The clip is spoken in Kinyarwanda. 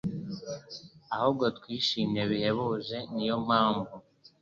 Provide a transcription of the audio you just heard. ahubwo twishimye bihebuje'.» Niyo mpamvu,